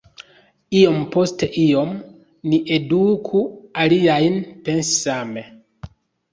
Iom post iom, ni eduku aliajn pensi same.”